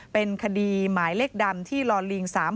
เป็นคดีหมายเลขดำที่ลล๓๖๐๓๕๘